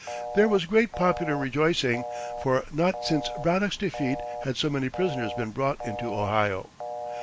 There was great popular rejoicing, for not since Braddock's defeat had so many prisoners been brought into Ohio.